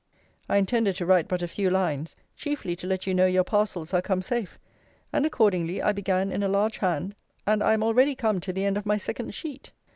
I intended to write but a few lines; chiefly to let you know your parcels are come safe. And accordingly I began in a large hand; and I am already come to the end of my second sheet.